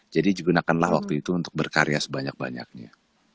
jadi gunakanlah waktu itu untuk berkarya sebanyak banyaknya